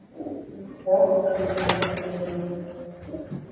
Juó jidis ntiñu.